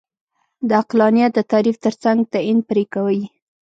د عقلانیت د تعریف ترڅنګ تعین پرې کوي.